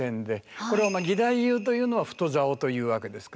これは義太夫というのは太棹というわけですけど。